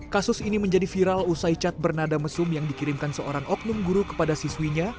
kasus ini menjadi viral usai cat bernada mesum yang dikirimkan seorang oknum guru kepada siswinya